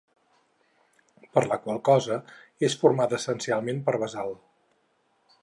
Per la qual cosa, és formada essencialment per basalt.